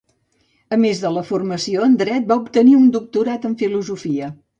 A més de la formació en Dret, va obtenir un doctorat en Filosofia.